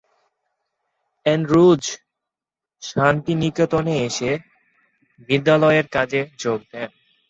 Andrews শান্তিনিকেতনে এসে বিদ্যালয়ের কাজে যোগ দেন।